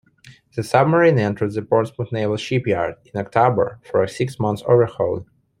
The submarine entered the Portsmouth Naval Shipyard in October for a six-month overhaul.